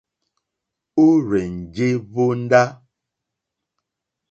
Ó rzènjé hvóndá.